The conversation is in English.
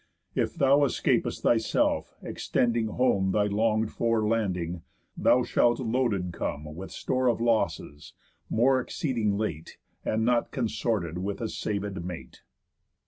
If thou escap'st thyself, extending home Thy long'd for landing, thou shalt loaded come With store of losses, most exceeding late, And not consorted with a savéd mate.